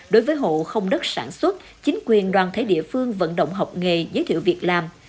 đối với hộ không đất sản xuất chính quyền đoàn thể địa phương vận động học nghề giới thiệu việc làm